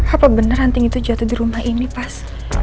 apa bener anting itu jatuh di rumah ini pas